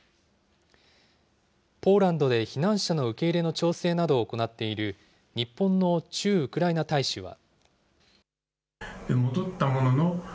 ポーランドで避難者の受け入れの調整などを行っている、日本の駐ウクライナ大使は。